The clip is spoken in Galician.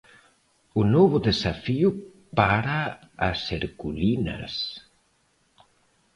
Un novo desafío para as herculinas.